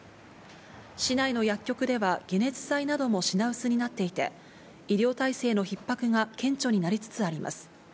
市内の薬局では、解熱剤なども品薄になっていて、医療体制のひっ迫が顕著になりつつあります。